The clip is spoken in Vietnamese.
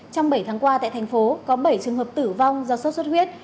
trong bảy tháng qua tại thành phố có bảy trường hợp tử vong do sốt xuất huyết